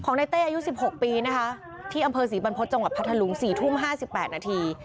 ของในเต้อายุสิบหกปีนะคะที่อำเพิร์ชศรีบรรพบภัทรลุงสี่ทุ่มห้าสิบแปดนาที